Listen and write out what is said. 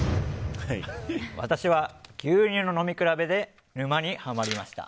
私は牛乳の飲み比べで沼にハマりました。